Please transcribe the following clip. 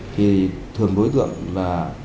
thì thường đối tượng là